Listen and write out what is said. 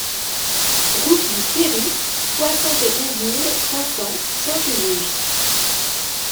Route du Pierry, soixante et onze mille cinq cents Saint-Usuge